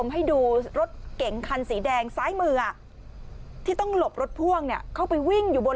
ให้ดูรถเก๋งคันสีแดงซ้ายมือที่ต้องหลบรถพ่วงเนี่ยเข้าไปวิ่งอยู่บน